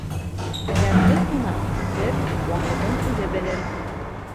Әҙәпле ҡунаҡ китер ваҡытын үҙе белер.